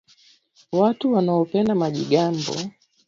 Watu wanaopenda majigambo